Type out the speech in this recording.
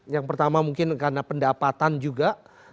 yang pertama mungkin karena pendapatan juga